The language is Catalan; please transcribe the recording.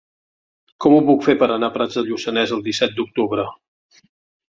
Com ho puc fer per anar a Prats de Lluçanès el disset d'octubre?